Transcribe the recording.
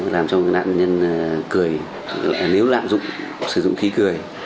làm cho nạn nhân cười nếu lạm dụng sử dụng khí cười